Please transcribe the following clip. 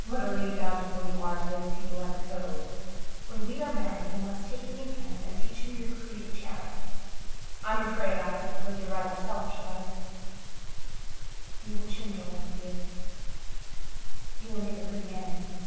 What a Lady Bountiful you are to those people at the Cove. When we are married you must take me in hand and teach me your creed of charity. I'm afraid I've lived a rather selfish life. You will change all that, dear. You will make a good man of me."